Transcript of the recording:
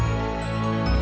lalu mencari kakak